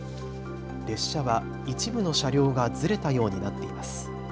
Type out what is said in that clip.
列車は一部の車両がずれたようになっています。